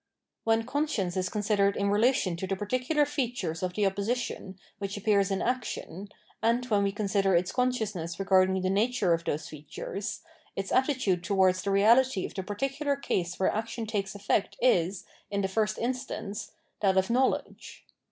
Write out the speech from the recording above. WThen conscience is considered in relation to the particrdar features of the opposition which appears in action, and when we consider its consciousness regard ing the nature of those features, its attitude towards the reality of the particular case where action takes effect is, in the first instance, that of knowledge.